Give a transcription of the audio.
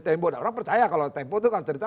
tempo nah orang percaya kalau tempo itu kan cerita